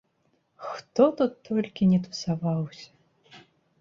Хто тут толькі ні тусаваўся!